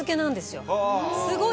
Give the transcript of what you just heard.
すごい。